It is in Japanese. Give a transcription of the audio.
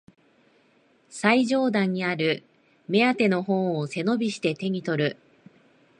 最上段にある目当ての本を背伸びして手にとる